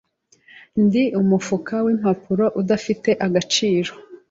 Ndi umufuka wimpapuro udafite agaciro,